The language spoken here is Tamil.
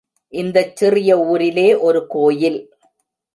இந்தச் சிறிய ஊரிலே ஒரு கோயில்.